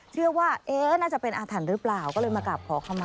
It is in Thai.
พิวว่าน่าจะเป็นอาถรรรพ์หรือเปล่าก็เลยมากราบขอขมา